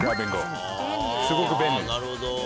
すごく便利。